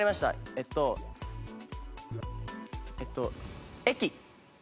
えっとえっと駅！